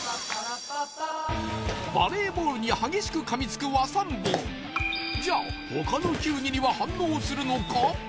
バレーボールに激しくかみつく和三盆じゃあ他の球技には反応するのか？